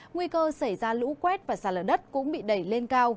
nguy cơ xảy ra lũ quét và sạt lở đất cũng bị đẩy lên cao